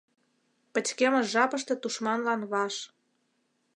Пычкемыш жапыште тушманлан ваш